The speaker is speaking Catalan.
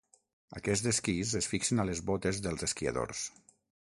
Aquests esquís es fixen a les botes dels esquiadors.